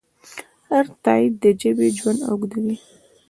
هر تایید د ژبې ژوند اوږدوي.